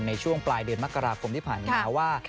ในช่วงปลายเดือนมกราคมที่ผ่านมาว่า